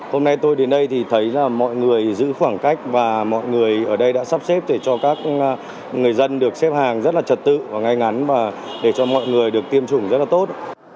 hôm nay tôi đến đây thì thấy là mọi người giữ khoảng cách và mọi người ở đây đã sắp xếp để cho các người dân được xếp hàng rất là trật tự và ngay ngắn và để cho mọi người được tiêm chủng rất là tốt